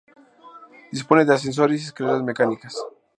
Dispone de ascensores y escaleras mecánicas.